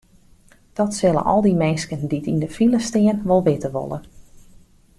Dat sille al dy minsken dy't yn de file stean wol witte wolle.